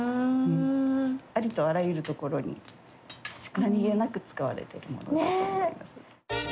ありとあらゆるところに何気なく使われているものだと思います。